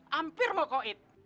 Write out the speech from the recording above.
hampir mau covid